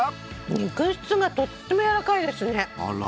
肉質がとてもやわらかいですね。